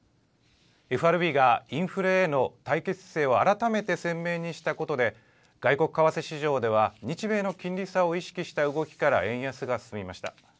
ＦＲＢがインフレへの対決姿勢を改めて鮮明にしたことで、外国為替市場では、日米の金利差を意識した動きから円安が進みました。